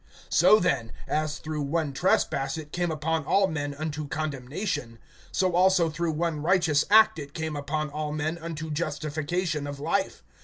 (18)So then, as through one trespass it came upon all men unto condemnation; so also through one righteous act it came upon all men unto justification of life.